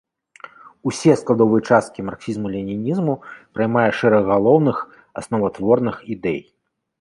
Усе складовыя часткі марксізму-ленінізму праймае шэраг галоўных, асноватворных ідэй.